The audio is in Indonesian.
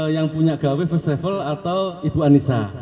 yang punya gawe first travel atau ibu anissa